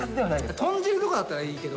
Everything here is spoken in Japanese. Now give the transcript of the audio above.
豚汁とかならいいけど。